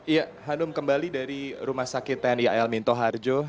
iya hanum kembali dari rumah sakit tni al minto harjo